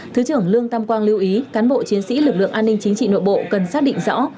thứ trưởng lương tam quang lưu ý cán bộ chiến sĩ lực lượng an ninh chính trị nội bộ cần xác định rõ